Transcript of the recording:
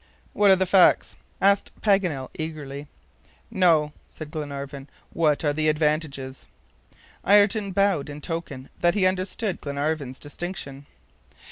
"What are the facts?" asked Paganel eagerly. "No," said Glenarvan. "What are the advantages?" Ayrton bowed in token that he understood Glenarvan's distinction.